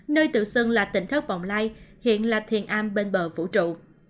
nơi tự xưng là tỉnh thất vọng lai hiện là thiền an bên bờ vũ trụ